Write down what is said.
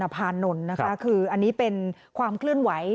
เราก็มาเห็นตลาดของเขาเห็นตลาดจริงจริงว่า